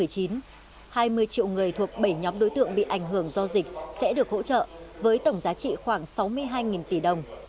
hai mươi triệu người thuộc bảy nhóm đối tượng bị ảnh hưởng do dịch sẽ được hỗ trợ với tổng giá trị khoảng sáu mươi hai tỷ đồng